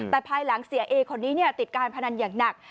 แต่ภายหลังเสียเอคนนี้ติดการพนันอย่างหนัก